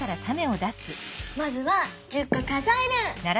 まずは１０こ数える！